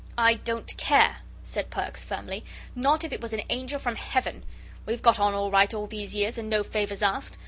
"I don't care," said Perks, firmly, "not if it was a angel from Heaven. We've got on all right all these years and no favours asked.